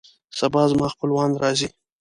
سبا زما خپلوان راځي